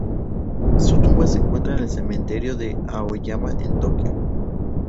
Su tumba se encuentra en el cementerio de Aoyama en Tokio.